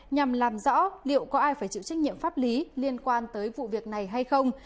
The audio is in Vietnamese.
nhằm làm rõ liệu có ai phải chịu trách nhiệm pháp lý liên quan tới vụ việc này hay không